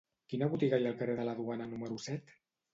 Quina botiga hi ha al carrer de la Duana número set?